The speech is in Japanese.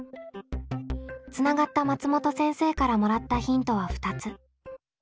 つながった松本先生からもらったヒントは２つ。